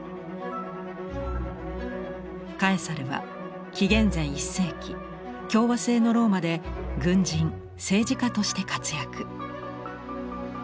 カエサルは紀元前１世紀共和政のローマで軍人・政治家として活躍。